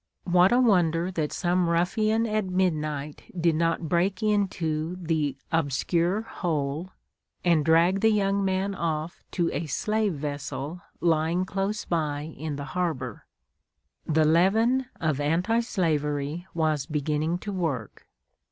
What a wonder that some ruffian at midnight did not break into the "obscure hole," and drag the young man off to a slave vessel lying close by in the harbor! The leaven of anti slavery was beginning to work.